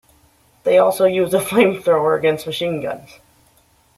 They also used a flamethrower against machine guns.